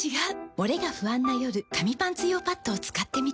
モレが不安な夜紙パンツ用パッドを使ってみた。